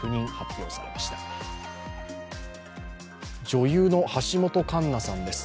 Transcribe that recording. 女優の橋本環奈さんです。